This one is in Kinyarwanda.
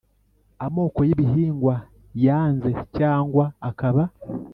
Amoko y ibihingwa yanze cyangwa akaba